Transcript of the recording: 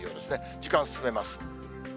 時間進めます。